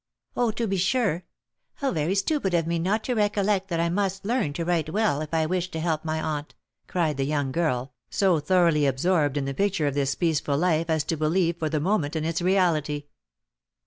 "Oh, to be sure! How very stupid of me not to recollect that I must learn to write well, if I wished to help my aunt!" cried the young girl, so thoroughly absorbed in the picture of this peaceful life as to believe for the moment in its reality.